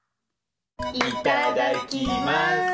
いただきます。